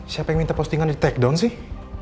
siapa yang minta postingan di takedown sih